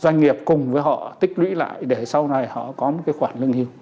doanh nghiệp cùng với họ tích lũy lại để sau này họ có một khoản lương hưu